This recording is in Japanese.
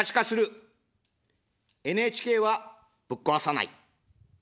ＮＨＫは、ぶっ壊さない。